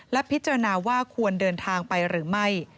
และพิจารณาว่าควรเดินทางไปหรือไม่